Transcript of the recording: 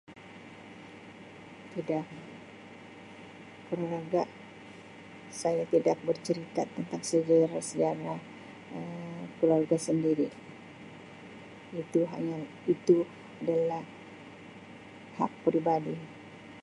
Tidak. Keluarga saya tidak bercerita tentang sejarah-sejarah[Um] keluarga sendiri. Itu hanya-itu adalah hak peribadi.